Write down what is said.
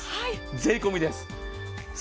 税込みです。